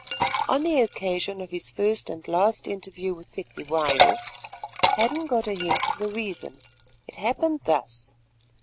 On the occasion of his first and last interview with Cetywayo, Hadden got a hint of the reason. It happened thus.